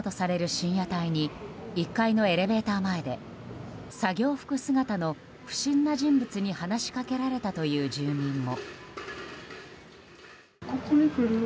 深夜帯に１階のエレベーター前で作業服姿の不審な人物に話しかけられたという住民も。